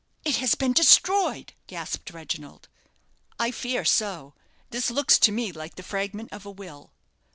"It has been destroyed!" gasped Reginald. "I fear so. This looks to me like the fragment of a will."